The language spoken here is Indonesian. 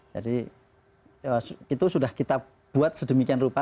jadi itu sudah kita buat sedemikian rupa